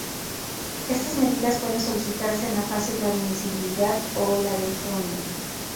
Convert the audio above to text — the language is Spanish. Estas medidas pueden solicitarse en la fase de admisibilidad o la de fondo.